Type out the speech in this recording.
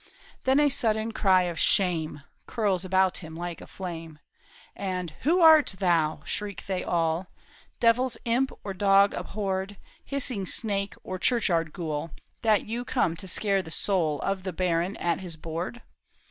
Then a sudden cry of " Shame !" Curls about him like a flame, And " Who art thou ?" shriek they all, " Devil's imp or dog abhorred, Hissing snake or church yard ghoul, That you come to scare the soul Of the baron at his board